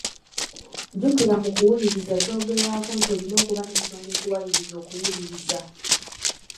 Jjukira mu kuwuliriza kyogerwako nti olina okuba n'ensonga ekuwaliriza okuwuliriza.